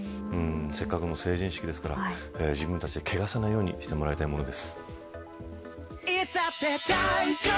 せっかくの成人式ですから自分たちで汚さないようにしてもらいたいものです。